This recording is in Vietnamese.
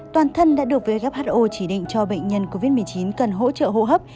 toàn thân đã được who chỉ định cho bệnh nhân covid một mươi chín cần hỗ trợ hô hấp